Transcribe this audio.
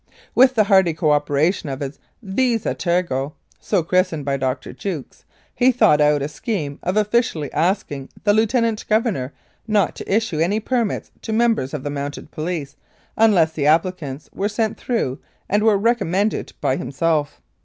With the hearty co operation of his vis a tergo (so christened by Dr. Jukes) he thought out a scheme of officially asking the Lieu tenant Governor not to issue any permits to members of the Mounted Police unless the applications were sent through and were recommended by himself.